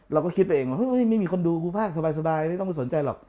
เราก็คิดไปเองว่าไม่มีคนดูครูภาคสบายไม่ต้องไปสนใจหรอก